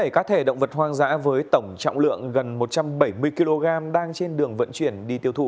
bảy cá thể động vật hoang dã với tổng trọng lượng gần một trăm bảy mươi kg đang trên đường vận chuyển đi tiêu thụ